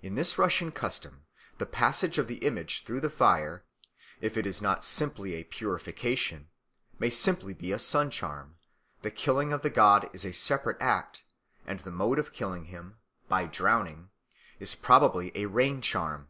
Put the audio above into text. In this Russian custom the passage of the image through the fire, if it is not simply a purification, may possibly be a sun charm; the killing of the god is a separate act, and the mode of killing him by drowning is probably a rain charm.